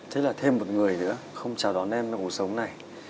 thế là thêm một người nữa không chào đón em trong cuộc sống này